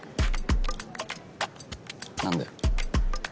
何だよ？